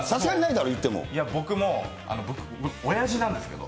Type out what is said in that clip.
僕もおやじなんですけど。